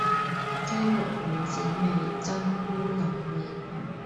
雞肉丸子味噌烏龍麵